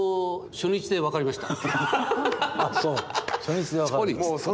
初日で分かった？